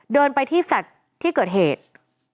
เดินไปที่แฟลต์ที่เกิดเหตุ